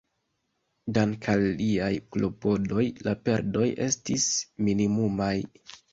Dank'al liaj klopodoj, la perdoj estis minimumaj.